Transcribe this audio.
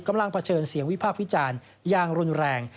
กำลังเผชิญเสียงวิพากษ์วิจารณ์ยางรุนแรง